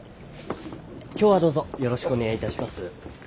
今日はどうぞよろしくお願いいたします。